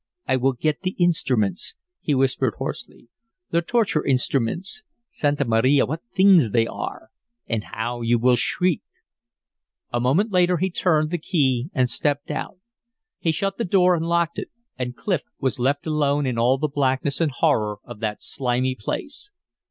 "I will get the instruments," he whispered, hoarsely. "The torture instruments. Santa Maria, what things they are! And how you will shriek!" A moment later he turned the key and stepped out. He shut the door and locked it. And Clif was left alone in all the blackness and horror of that slimy place.